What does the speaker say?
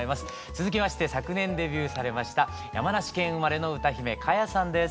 続きまして昨年デビューされました山梨県生まれの歌姫花耶さんです。